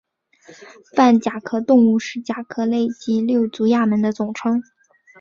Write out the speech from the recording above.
泛甲壳动物是甲壳类及六足亚门的总称。